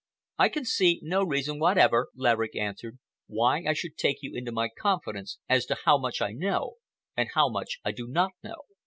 "I can see no reason whatever," Laverick answered, "why I should take you into my confidence as to how much I know and how much I do not know.